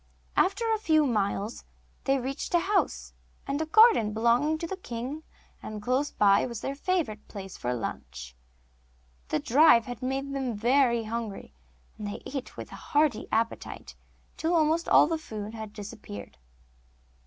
After a few miles they reached a house and garden belonging to the king, and close by was their favourite place for lunch. The drive had made them very hungry, and they ate with a hearty appetite, till almost all the food had disappeared.